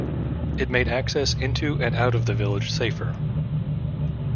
It made access into and out of the village safer.